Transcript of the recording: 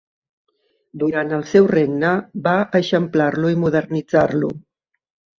Durant el seu regne va eixamplar-lo i modernitzar-lo.